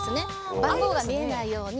番号が見えないように。